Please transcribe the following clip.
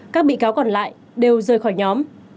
các bị cáo còn lại đều rời khỏi nhóm